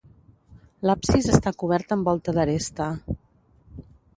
L'absis està cobert amb volta d'aresta.